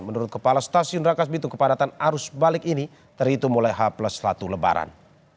menurut kepala stasiun rangkas bitung padatan arus balik ini terhitung mulai haplus satu lebaran